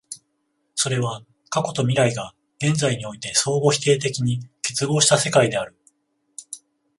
それは過去と未来が現在において相互否定的に結合した世界である。